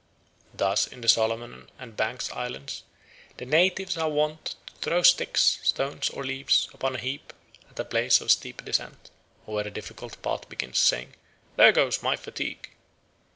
Thus in the Solomon and Banks' Islands the natives are wont to throw sticks, stones, or leaves upon a heap at a place of steep descent, or where a difficult path begins, saying, "There goes my fatigue."